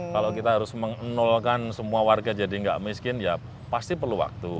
kalau kita harus menolakan semua warga jadi tidak miskin pasti perlu waktu